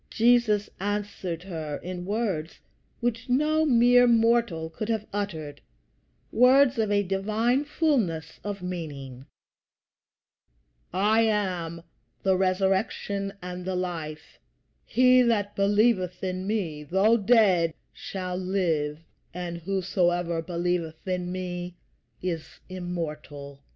Jesus answered her in words which no mere mortal could have uttered words of a divine fullness of meaning "I am the Resurrection and the Life: he that believeth in me, though dead, shall live, and whosoever believeth in me is immortal."